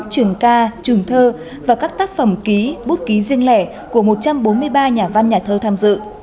trường ca trùm thơ và các tác phẩm ký bút ký riêng lẻ của một trăm bốn mươi ba nhà văn nhà thơ tham dự